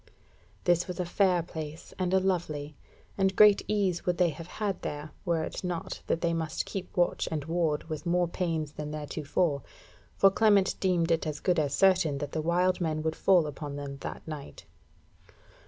This was a fair place and a lovely, and great ease would they have had there, were it not that they must keep watch and ward with more pains than theretofore; for Clement deemed it as good as certain that the wild men would fall upon them that night.